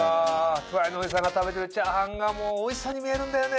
隣のおじさんが食べてる炒飯がもうおいしそうに見えるんだよね。